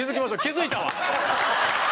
気付いたわ！